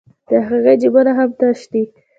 د هغې جېبونه هم تش دي